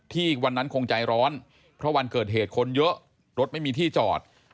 วันนั้นคงใจร้อนเพราะวันเกิดเหตุคนเยอะรถไม่มีที่จอด